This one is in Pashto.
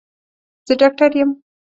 زه ډاکټر یم